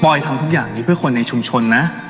ปลอยทำทุกอย่างนี้ให้คนในชุมชนนะ